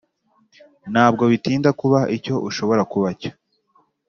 ntabwo bitinda kuba icyo ushobora kuba cyo